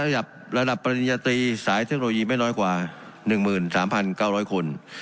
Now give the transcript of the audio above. ระดับระดับปริญญาตรีสายเทคโนโลยีไม่น้อยกว่า๑๓๙๐๐คน